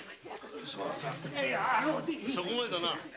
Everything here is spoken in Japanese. そこまでだな。